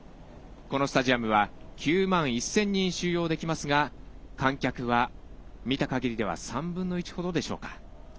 このスタジアムは９万１０００人収容できますが観客は見た限りでは３分の１ほどでしょうか。